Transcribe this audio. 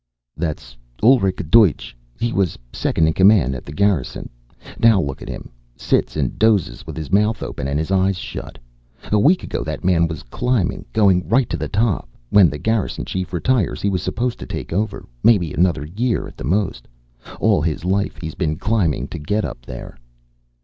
"That's Ulrich Deutsch. He was Second in Command at the Garrison. Now look at him! Sits and dozes with his mouth open and his eyes shut. A week ago that man was climbing, going right up to the top. When the Garrison Chief retires he was supposed to take over. Maybe another year, at the most. All his life he's been climbing to get up there."